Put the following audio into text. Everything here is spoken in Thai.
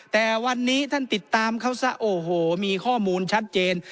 แต่วันนี้ท่านติดตามเขาซะโอ้โหมีข้อมูลชัดเจน